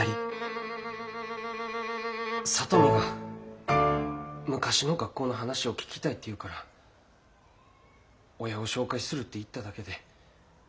里美が昔の学校の話を聞きたいって言うから親を紹介するって言っただけで。